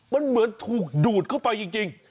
มันเหมือนถูกดูดเข้าไปจริง